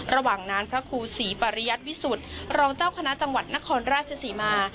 ระหว่างนั้นพระครูศรีปริยัติวิสุทธิ์รองเจ้าคณะจังหวัดนครราชศรีมา